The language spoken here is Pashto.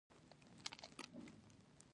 خرما د کمخونۍ مخه نیسي.